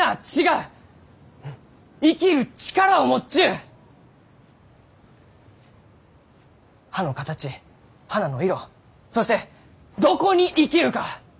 うん生きる力を持っちゅう！葉の形花の色そしてどこに生きるか！